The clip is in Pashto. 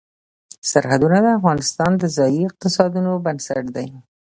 سرحدونه د افغانستان د ځایي اقتصادونو بنسټ دی.